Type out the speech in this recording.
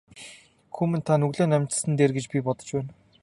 Хүү минь та нүглээ наманчилсан нь дээр гэж би бодож байна.